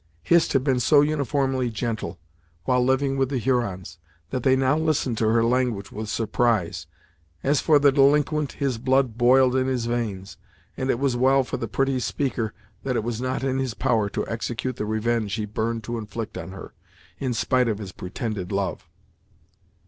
Hist had been so uniformly gentle, while living with the Hurons, that they now listened to her language with surprise. As for the delinquent, his blood boiled in his veins, and it was well for the pretty speaker that it was not in his power to execute the revenge he burned to inflict on her, in spite of his pretended love.